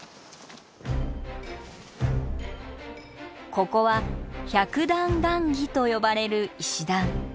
ここは百段ガンギと呼ばれる石段。